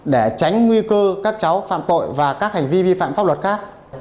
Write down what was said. để tránh nguy cơ các cháu phạm tội và các hành vi vi phạm pháp luật khác